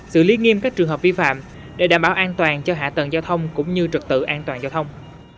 xử lý nghiêm các trường hợp vi phạm để đảm bảo an toàn cho hạ tầng giao thông cũng như trực tự an toàn giao thông